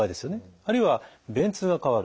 あるいは便通が変わる。